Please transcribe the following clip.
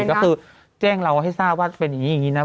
ก็คือแจ้งเราให้ทราบว่าเป็นอย่างนี้นะ